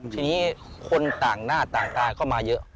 ทีนี้คนต่างหน้าต่างตาก็มาเยอะ